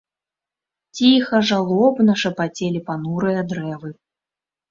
Ціха, жалобна шапацелі панурыя дрэвы.